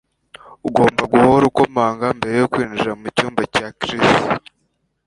Ugomba guhora ukomanga mbere yo kwinjira mucyumba cya Chris